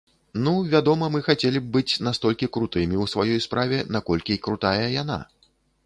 Ну, вядома, мы хацелі б быць настолькі крутымі ў сваёй справе, наколькі крутая яна.